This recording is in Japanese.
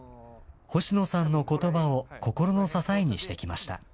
星野さんのことばを心の支えにしてきました。